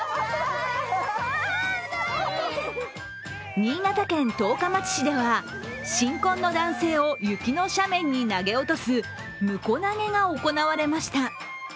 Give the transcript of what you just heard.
新潟県十日町市では新婚の男性を雪の斜面に投げ落とすむこ投げが行われました。